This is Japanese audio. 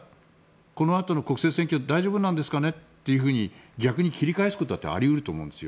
このあとの国政選挙大丈夫なんですかねと逆に切り返すことだってあり得ると思うんですよ。